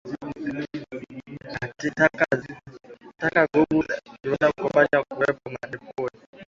Taka ngumu ni kawaida kufanywa katika deponi